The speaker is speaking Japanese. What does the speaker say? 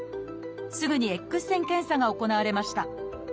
すぐにＸ線検査が行われました。